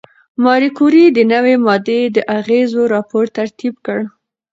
ماري کوري د نوې ماده د اغېزو راپور ترتیب کړ.